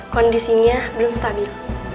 kondisinya belum stabil